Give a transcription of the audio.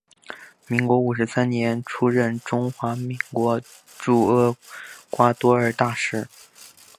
民国五十三年出任中华民国驻厄瓜多尔大使。